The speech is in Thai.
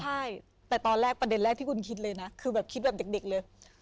ใช่แต่ตอนแรกประเด็นแรกที่คุณคิดเลยนะคือแบบคิดแบบเด็กเลย